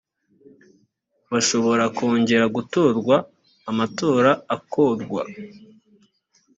bashobora kongera gutorwa amatora akorwa